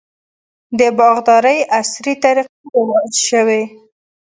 د باغدارۍ عصري طریقې رواج شوي.